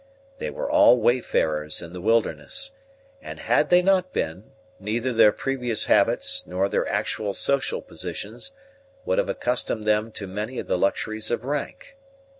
They were all wayfarers in the wilderness; and had they not been, neither their previous habits, nor their actual social positions, would have accustomed them to many of the luxuries of rank.